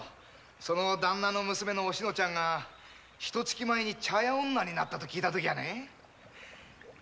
そのだんなの娘のお篠ちゃんがひとつき前に茶屋女になったと聞いた時はね。